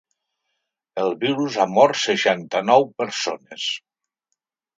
El virus ha mort seixanta-nou persones.